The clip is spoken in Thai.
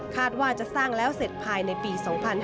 ว่าจะสร้างแล้วเสร็จภายในปี๒๕๕๙